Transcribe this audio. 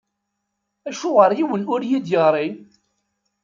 Acuɣer yiwen ur yi-d-iɣṛi?